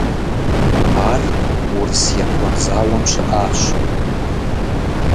Ар Урыс-Япон зауэм щыӏащ.